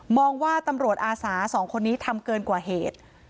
ว่าตำรวจอาสาสองคนนี้ทำเกินกว่าเหตุ